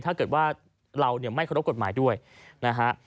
ถ้าเกิดว่าเราเนี่ยไม่เคารพกฎหมายด้วยนะฮะ